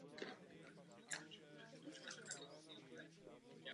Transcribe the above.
Jedná se o mediálně nejslavnější výrobek autora ze sedmdesátých let.